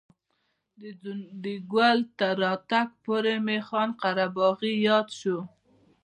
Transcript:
د ځونډي ګل تر راتګ پورې مې خان قره باغي یاد شو.